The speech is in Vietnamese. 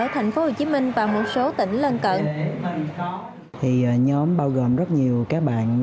tp hcm và một số tỉnh lân cận